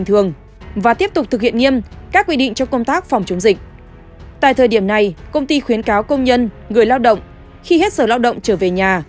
tại thời điểm này công ty khuyến cáo công nhân người lao động khi hết sở lao động trở về nhà